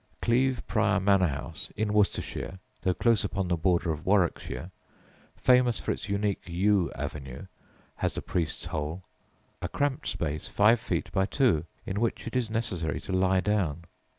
Cleeve Prior Manor House, in Worcestershire (though close upon the border of Warwickshire)) famous for its unique yew avenue, has a priest's hole, a cramped space five feet by two, in which it is necessary to lie down.